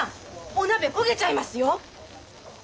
お鍋焦げちゃいますよ！